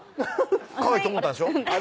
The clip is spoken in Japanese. かわいいって思ったんでしょ？